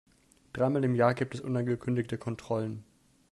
Dreimal im Jahr gibt es unangekündigte Kontrollen.